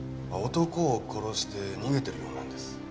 男を殺して逃げてるようなんです。